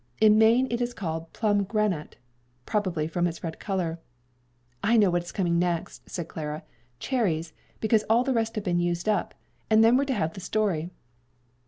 In Maine it is called plum granate, probably from its red color," "I know what's coming next," said Clara "cherries; because all the rest have been used up. And then we're to have the story."